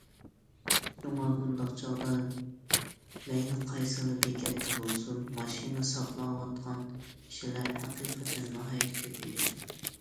شۇڭا بۇنداق چاغدا مەيلى قايسىلا بېكەتتە بولسۇن ماشىنا ساقلاۋاتقان كىشىلەر ھەقىقەتەن ناھايىتى كۆپ ئىدى.